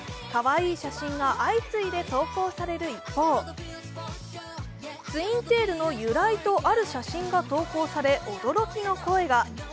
かわいい写真が相次いで投稿される一方、ツインテールの由来と、ある写真が投稿され、驚きの声が。